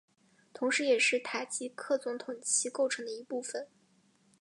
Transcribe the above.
同时也是塔吉克总统旗构成的一部分